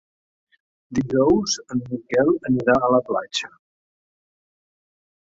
Dijous en Miquel anirà a la platja.